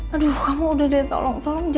aduh kamu udah deh tolong tolong aku ya